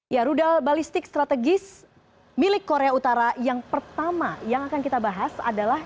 ya rudal balistik strategis milik korea utara yang pertama yang akan kita bahas adalah